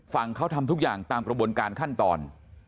ฝั่งเขาทำทุกอย่างตามกระบวนการขั้นตอน